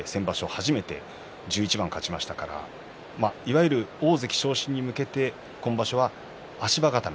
初めて１１番勝ちましたからいろいろ大関昇進へ向けて今場所は足場固め。